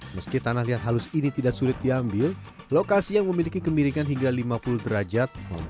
meski tanah liat halus ini tidak sulit diambil lokasi yang memiliki kemiringan hingga lima puluh derajat